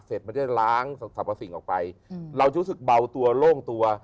มันจะล้างสรรพสิ่งออกไปเรารู้สึกเบาตัวโล่งตัว